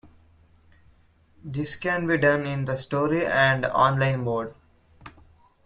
This can be done in the story and online mode.